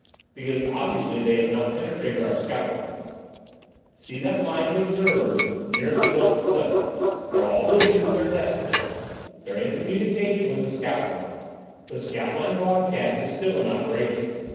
"Because obviously they have not penetrated our scout lines. See that line of observers nearest the dome itself. They're all busy with their desk plates. They're in communication with the scout line. The scout line broadcast is still in operation.